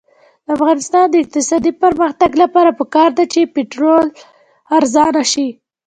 د افغانستان د اقتصادي پرمختګ لپاره پکار ده چې پټرول ارزانه شي.